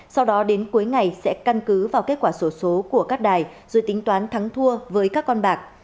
sau đó đến cuối ngày sẽ căn cứ vào kết quả sổ số của các đài rồi tính toán thắng thua với các con bạc